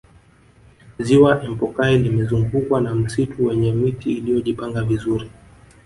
ziwa empokai limezungukwa na msitu wenye miti iliyojipanga vizuri